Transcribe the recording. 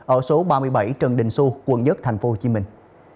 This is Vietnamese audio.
ở số ba mươi bảy trần đình xu quận một thành phố hồ chí minh